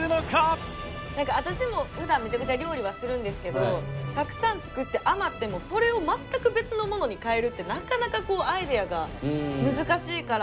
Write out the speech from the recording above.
私も普段めちゃくちゃ料理はするんですけどたくさん作って余ってもそれを全く別のものに変えるってなかなかアイデアが難しいから。